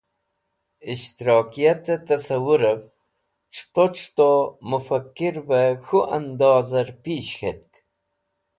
Ishtirakiyate Tasawuev C̃huto C̃huto Mufakkirve K̃hu andozer pish K̃hetk.